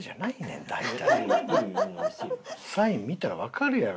サイン見たらわかるやろ。